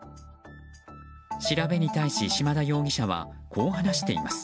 調べに対し、島田容疑者はこう話しています。